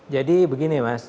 jadi begini mas